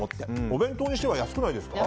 お弁当にしては安くないですか？